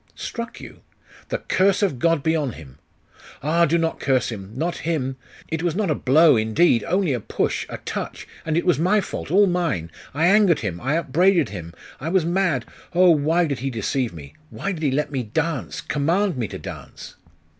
'Struck you? The curse of God be on him!' 'Ah, do not curse him! not him! It was not a blow, indeed! only a push a touch and it was my fault all mine. I angered him I upbraided him; I was mad.... Oh, why did he deceive me? Why did he let me dance? command me to dance?